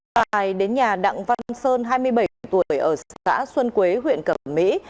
tài đến nhà đặng văn sơn hai mươi bảy tuổi ở xã xuân quế huyện cẩm mỹ